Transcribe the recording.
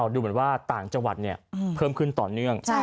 ดูเหมือนว่าต่างจังหวัดเพิ่มขึ้นต่อเนื่อง